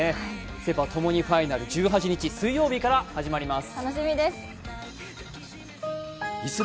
セ・パともにファイナル、１８日から始まります。